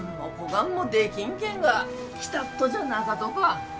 がんもできんけんが来たっとじゃなかとか？